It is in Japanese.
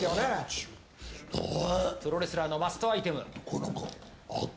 プロレスラーのマストアイテム。